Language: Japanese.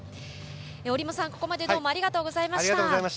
折茂さん、ここまでどうもありがとうございます。